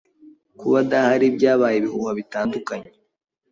Kuba adahari byabyaye ibihuha bitandukanye.